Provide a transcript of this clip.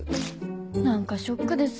なんかショックです。